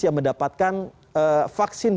yang mendapatkan vaksin